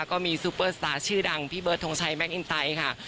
ซูเปอร์สตาร์ชื่อดังพี่เบิร์ดทงชัยแก๊อินไตค่ะ